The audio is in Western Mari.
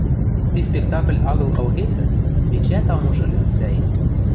Ти спектакль агыл ылгецӹ, эчеӓт ам уж ыльы, сӓй.